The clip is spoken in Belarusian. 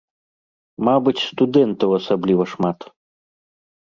Мабыць, студэнтаў асабліва шмат.